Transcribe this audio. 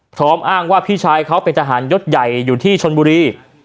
อ้างว่าพี่ชายเขาเป็นทหารยศใหญ่อยู่ที่ชนบุรี